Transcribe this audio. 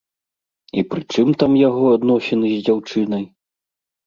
І прычым там яго адносіны з дзяўчынай?